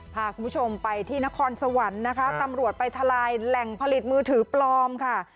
พาคุณผู้ชมไปที่นครสวรรค์นะคะตำรวจไปทลายแหล่งผลิตมือถือปลอมค่ะ